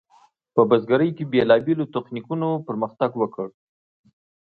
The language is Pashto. په بزګرۍ کې بیلابیلو تخنیکونو پرمختګ وکړ.